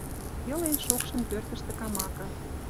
Йылен шокшын пӧртӹштӹ камака